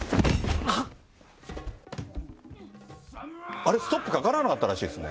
あれ、ストップかからなかったらしいですね。